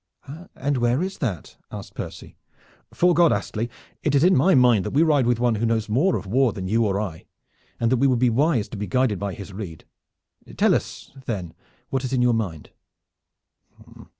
"And where is that?" asked Percy. "'Fore God, Astley, it is in my mind that we ride with one who knows more of war than you or I, and that we would be wise to be guided by his rede. Tell us then what is in your mind."